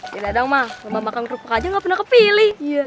tidak dong ma lo mau makan kerupuk aja ga pernah kepilih